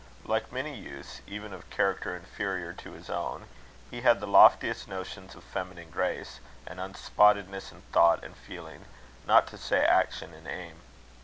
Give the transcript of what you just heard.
Like many youths, even of character inferior to his own, he had the loftiest notions of feminine grace, and unspottedness in thought and feeling, not to say action and aim.